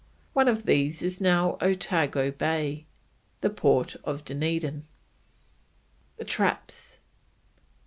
One of these is now Otago Harbour, the port of Dunedin. THE TRAPS.